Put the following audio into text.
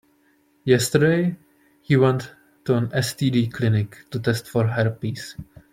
Yesterday, he went to an STD clinic to test for herpes.